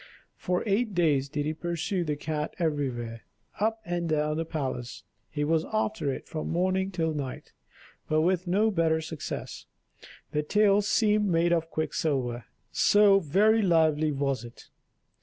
For eight days did he pursue the cat everywhere: up and down the palace he was after it from morning till night, but with no better success; the tail seemed made of quicksilver, so very lively was it.